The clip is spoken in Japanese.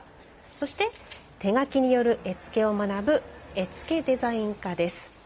そして手描きによる絵付けを学ぶ絵付デザイン科です。